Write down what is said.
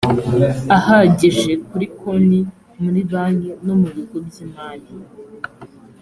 ahagije kuri konti muri banki no mu bigo by imari